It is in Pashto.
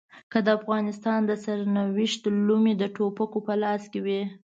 که د افغانستان د سرنوشت لومې د ټوپکو په لاس کې وي.